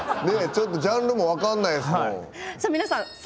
ねえちょっとジャンルも分かんないですもん。